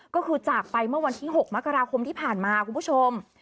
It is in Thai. ก็คือจากไปเมื่อวันที่๖มกราคมที่ผ่านมาคุณผู้ชม